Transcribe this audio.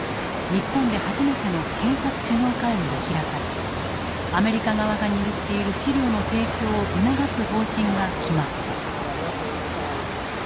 日本で初めての検察首脳会議が開かれアメリカ側が握っている資料の提供を促す方針が決まった。